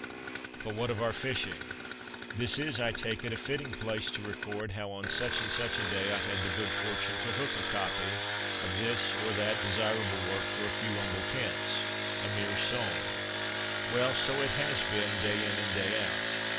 But what of our fishing ? This is, I take it, a fitting place to record how on such and such a day I had the good fortune to ' hook ' a copy of this or that desirable work for a few humble pence — a ' mere song '! Well, so it has been, ' day in and day out.'